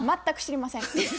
全く知りません。